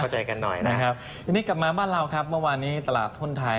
นะครับทีนี้กลับมาบ้านเราครับเมื่อวานนี้ตลาดทุนไทย